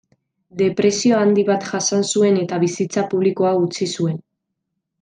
Depresio handi bat jasan zuen eta bizitza publikoa utzi zuen.